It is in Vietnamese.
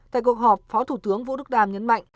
tại cuộc họp phó thủ tướng vũ đức đam nhấn mạnh